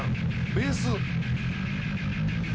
ベース。